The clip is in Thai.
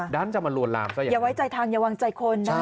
ดันจะมาลวนลามซะอย่าไว้ใจทางอย่าวางใจคนนะ